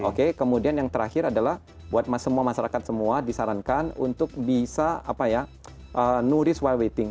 oke kemudian yang terakhir adalah buat semua masyarakat semua disarankan untuk bisa apa ya nuries wire waiting